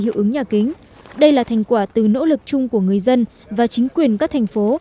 hiệu ứng nhà kính đây là thành quả từ nỗ lực chung của người dân và chính quyền các thành phố